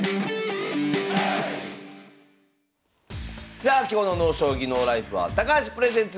さあ今日の「ＮＯ将棋ＮＯＬＩＦＥ」は「高橋プレゼンツ